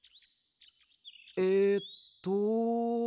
えっと。